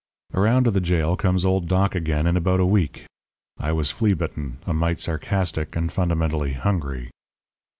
"Around to the jail comes old Doc again in about a week. I was flea bitten, a mite sarcastic, and fundamentally hungry.